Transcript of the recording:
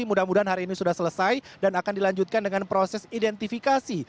mudah mudahan hari ini sudah selesai dan akan dilanjutkan dengan proses identifikasi